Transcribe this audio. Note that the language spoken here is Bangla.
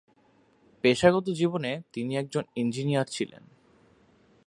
পেশাগত জীবনে তিনি একজন ইঞ্জিনিয়ার ছিলেন।